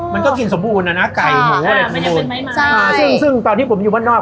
มันก็กินสมบูรณอ่ะนะไก่หมูอะไรอ่าซึ่งซึ่งตอนที่ผมอยู่บ้านนอก